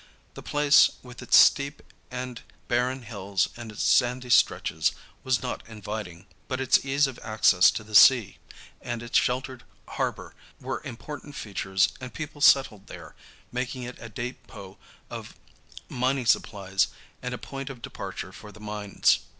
The place, with its steep and barren hills and its sandy stretches, was not inviting, but its ease of access to the sea and its sheltered harbor were important features, and people settled there, making it a depot of mining supplies and a point of departure for the mines.